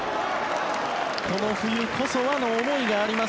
この冬こそはの思いがあります